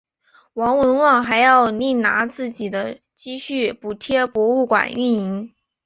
王文旺还要另拿自己的积蓄补贴博物馆运营。